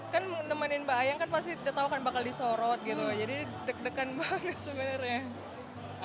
kan menemanin mbak ayang kan pasti tidak tahu kan bakal disorot gitu jadi deg degan banget sebenarnya